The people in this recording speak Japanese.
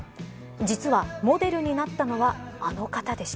実は、モデルになったのはあの方でした。